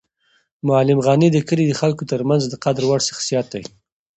معلم غني د کلي د خلکو تر منځ د قدر وړ شخصیت دی.